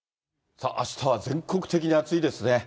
さあ、あしたは全国的に暑いですね。